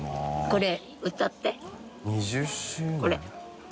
これ。